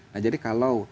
nah jadi kalau